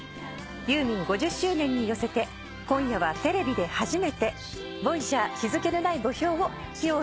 ［ユーミン５０周年に寄せて今夜はテレビで初めて『ＶＯＹＡＧＥＲ日付のない墓標』を披露してくださいます］